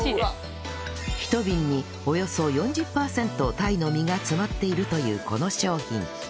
１瓶におよそ４０パーセント鯛の身が詰まっているというこの商品